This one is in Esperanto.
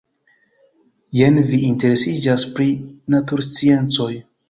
Jen vi interesiĝas pri natursciencoj.